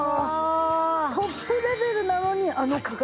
トップレベルなのにあの価格？